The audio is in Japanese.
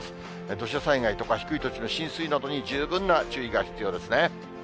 土砂災害とか低い土地の浸水などに十分な注意が必要ですね。